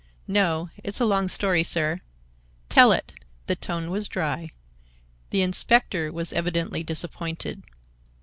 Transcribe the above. "No. It's a long story, sir—" "Tell it!" The tone was dry. The inspector was evidently disappointed.